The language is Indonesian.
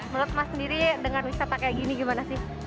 menurut ma sendiri dengar wisata kayak gini gimana sih